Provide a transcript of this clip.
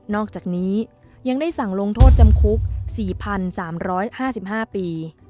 อกจากนี้ยังได้สั่งลงโทษจำคุก๔๓๕๕ปี